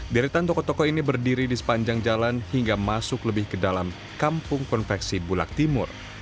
deretan toko toko ini berdiri di sepanjang jalan hingga masuk lebih ke dalam kampung konveksi bulak timur